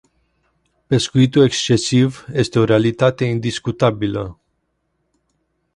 Pescuitul excesiv este o realitate indiscutabilă.